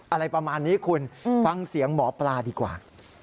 อะไรประมาณนี้คุณฟังเสียงหมอปลาดีกว่า